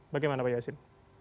bagaimana pak yasin